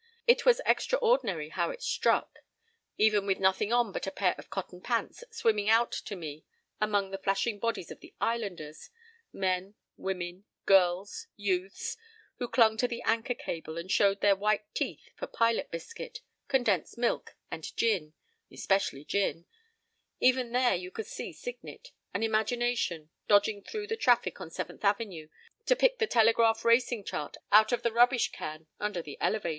It was extraordinary how it stuck. Even with nothing on but a pair of cotton pants swimming out to me among the flashing bodies of the islanders, men, women, girls, youths, who clung to the anchor cable and showed their white teeth for pilot biscuit, condensed milk, and gin—especially gin—even there you could see Signet, in imagination, dodging through the traffic on Seventh Avenue to pick the Telegraph Racing Chart out of the rubbish can under the Elevated.